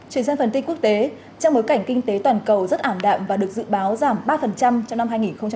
chuyển sang phần tin quốc tế trong bối cảnh kinh tế toàn cầu rất ảm đạm và được dự báo giảm ba trong năm hai nghìn hai mươi